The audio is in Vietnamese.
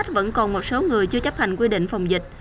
chứ không có người chấp hành quy định phòng dịch